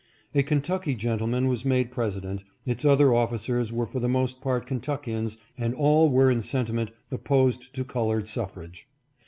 A Kentucky gentleman was made president. Its other officers were for the most part Kentuckians and all were in sentiment op posed to colored suffrage.